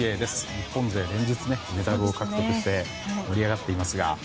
日本勢、連日メダルを獲得して盛り上がっていますが。